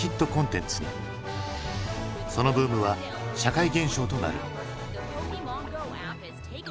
そのブームは社会現象となる。